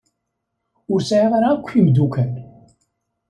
Ur sɛiɣ ara akk imdukal.